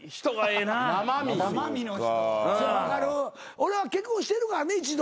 俺は結婚してるからね一度。